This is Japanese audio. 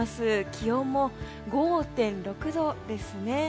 気温も５．６度ですね。